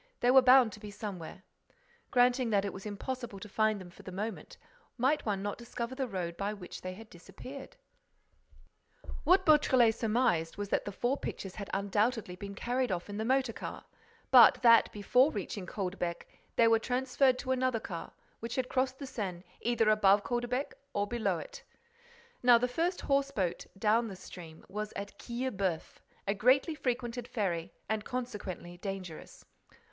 They were bound to be somewhere. Granting that it was impossible to find them for the moment, might one not discover the road by which they had disappeared? What Beautrelet surmised was that the four pictures had undoubtedly been carried off in the motor car, but that, before reaching Caudebec, they were transferred to another car, which had crossed the Seine either above Caudebec or below it. Now the first horse boat down the stream was at Quillebeuf, a greatly frequented ferry and, consequently, dangerous.